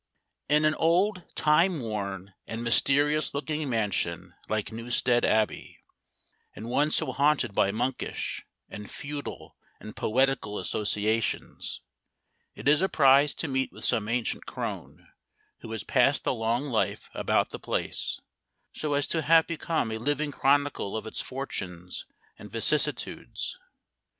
In an old, time worn, and mysterious looking mansion like Newstead Abbey, and one so haunted by monkish, and feudal, and poetical associations, it is a prize to meet with some ancient crone, who has passed a long life about the place, so as to have become a living chronicle of its fortunes and vicissitudes.